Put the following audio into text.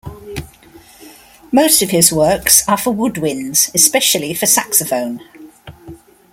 Most of his works are for woodwinds, especially for saxophone.